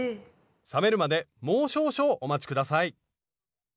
冷めるまでもう少々お待ち下さい。